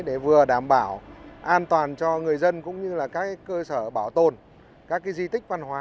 để vừa đảm bảo an toàn cho người dân cũng như là các cơ sở bảo tồn các di tích văn hóa